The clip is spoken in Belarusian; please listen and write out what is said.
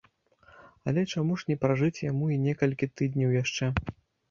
Але чаму ж не пражыць яму й некалькі тыдняў яшчэ?